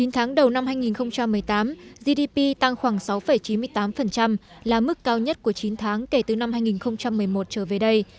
chín tháng đầu năm hai nghìn một mươi tám gdp tăng khoảng sáu chín mươi tám là mức cao nhất của chín tháng kể từ năm hai nghìn một mươi một trở về đây